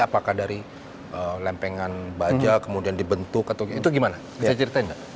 apakah dari lempengan baja kemudian dibentuk atau itu gimana bisa ceritain nggak